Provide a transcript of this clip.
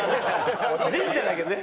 神社だけどね。